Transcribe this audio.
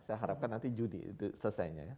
saya harapkan nanti judi selesainya ya